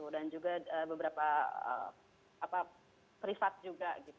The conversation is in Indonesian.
dan juga beberapa privat juga